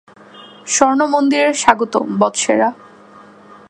স্বর্ণমন্দিরে স্বাগতম, বৎসেরা।